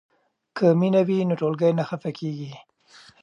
که مینه وي نو ټولګی نه خفه کیږي.